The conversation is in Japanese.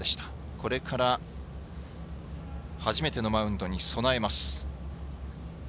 これから初めてのマウンドに備えます。